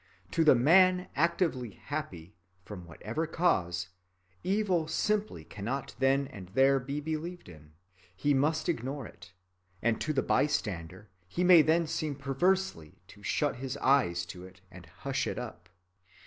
To the man actively happy, from whatever cause, evil simply cannot then and there be believed in. He must ignore it; and to the bystander he may then seem perversely to shut his eyes to it and hush it up.